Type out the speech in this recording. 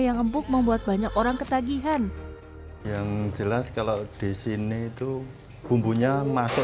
yang empuk membuat banyak orang ketagihan yang jelas kalau disini tuh bumbunya masuk